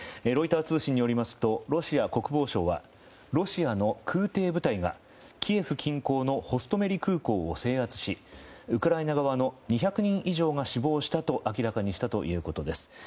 ロイター通信によりますとロシア国防省はロシアの空挺部隊がキエフ近郊のホストメリ空港を制圧しウクライナ側の２００人以上が死亡したと明らかにしたということです。